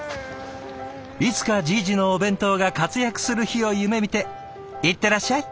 いつかじいじのお弁当が活躍する日を夢みて行ってらっしゃい！